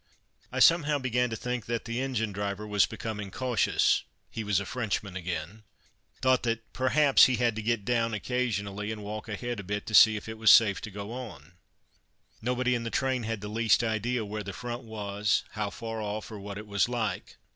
I somehow began to think that the engine driver was becoming cautious (he was a Frenchman again) thought that, perhaps, he had to get down occasionally and walk ahead a bit to see if it was safe to go on. Nobody in the train had the least idea where the Front was, how far off, or what it was like.